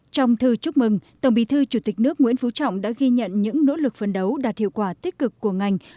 trong thư chúc mừng tổng bí thư chủ tịch nước nguyễn phú trọng đã ghi nhận những nỗ lực phân đấu đạt hiệu quả tích cực của ngành